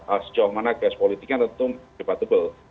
asjom mana chaos politiknya tentu debatable